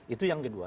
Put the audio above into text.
itu yang kedua